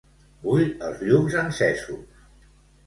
Vull els llums encesos.